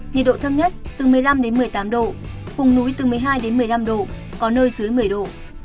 nhiệt độ thấp nhất từ một mươi năm một mươi tám độ vùng núi từ một mươi hai đến một mươi năm độ có nơi dưới một mươi độ